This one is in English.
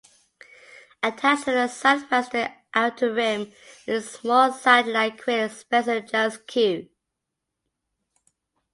Attached to the southwestern outer rim is the small satellite crater Spencer Jones Q.